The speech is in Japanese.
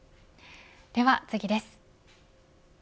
では次です。